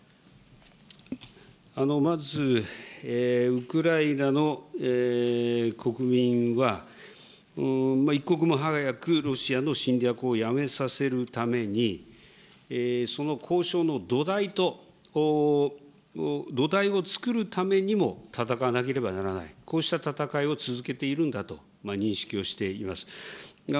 まず、ウクライナの国民は、一刻も早くロシアの侵略をやめさせるために、その交渉の土台を作るためにも、戦わなければならないと、こうした戦いを続けているんだと認識をしています。